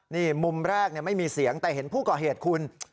นี่มุมแรกไม่มีเสียงแต่เห็นผู้ก่อเหตุคุณ